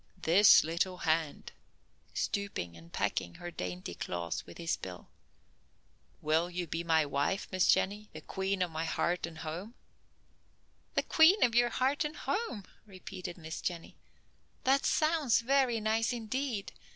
"This little hand," stooping and pecking her dainty claws with his bill. "Will you be my wife, Miss Jenny, the queen of my heart and home?" "The queen of your heart and home," repeated Miss Jenny. "That sounds very nice, indeed.